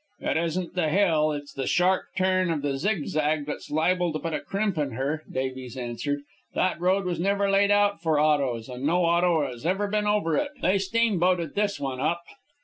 "It isn't the hill, it's the sharp turn of the zig zag that's liable to put a crimp in her," Davies answered. "That road was never laid out for autos, and no auto has ever been over it. They steamboated this one up."